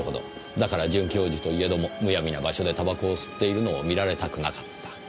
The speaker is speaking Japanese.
だから准教授といえどもむやみな場所で煙草を吸っているのを見られたくなかった。